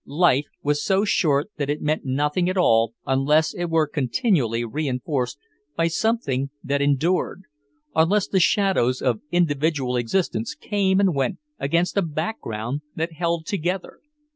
Life was so short that it meant nothing at all unless it were continually reinforced by something that endured; unless the shadows of individual existence came and went against a background that held together.